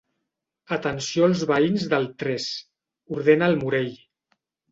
Atenció als veïns del tres —ordena el Morell.